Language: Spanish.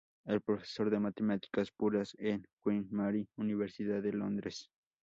Es profesor de matemáticas puras en Queen Mary, Universidad de Londres.